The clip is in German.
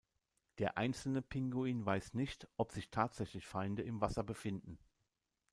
Der einzelne Pinguin weiß nicht, ob sich tatsächlich Feinde im Wasser befinden.